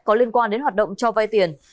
có liên quan đến hoạt động cho vai tiền